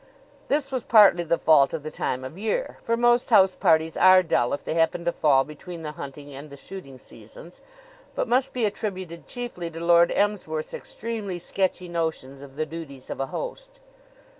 This was partly the fault of the time of year, for most house parties are dull if they happen to fall between the hunting and the shooting seasons, but must be attributed chiefly to Lord Emsworth's extremely sketchy notions of the duties of a host.